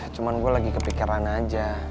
cuma gue lagi kepikiran aja